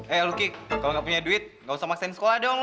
eh luki kalau gak punya duit gak usah maksain sekolah doang lo